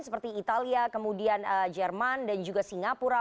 seperti italia kemudian jerman dan juga singapura